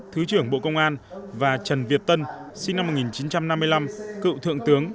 thứ trưởng bộ công an và trần việt tân sinh năm một nghìn chín trăm năm mươi năm cựu thượng tướng